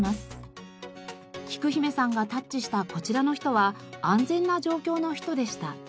きく姫さんがタッチしたこちらの人は安全な状況の人でした。